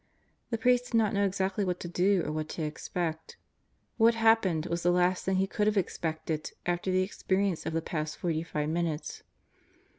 The priest did not know exactly what to do or what to expect. What happened was the last thing he could have expected after the experience of the past forty five minutes.